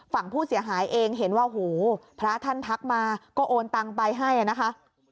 ฝั่งผู้เสียหายเองเห็นว่าหูพระท่านทักมาก็โอนตังไปให้นะคะ